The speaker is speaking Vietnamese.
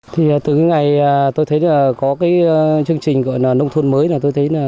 thời gian qua tỉnh hà giang có hơn sáu trăm bảy mươi công trình thủy lợi năm trăm linh tám công trình lưới điện